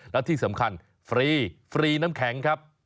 และที่สำคัญฟรีฟรีน้ำแข็งครับ